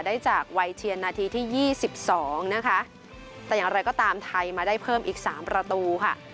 ได้จากวัยเทียนนาทีที่ยี่สิบสองนะคะแต่อย่างไรก็ตามไทยมาได้เพิ่มอีกสามประตูค่ะ